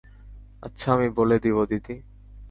আচ্ছা আমি বলে দিবো, দিদি।